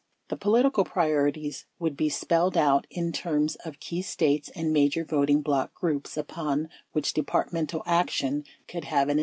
The political priorities would be spelled out in terms of key States and major voting bloc groups upon which De partmental action could have an impact.